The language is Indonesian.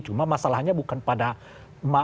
cuma masalahnya bukan pada